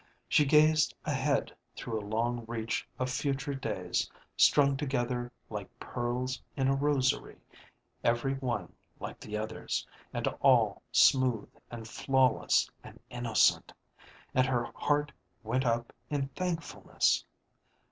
She gazed ahead through a long reach of future days strung together like pearls in a rosary, every one like the others, and all smooth and flawless and innocent, and her heart went up in thankfulness.